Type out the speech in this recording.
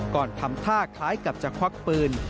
ทำท่าคล้ายกับจะควักปืน